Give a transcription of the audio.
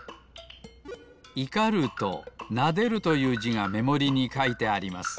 「怒る」と「撫でる」というじがめもりにかいてあります。